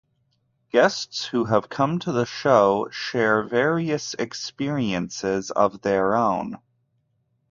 Guests who have come to the show share various experiences of their own.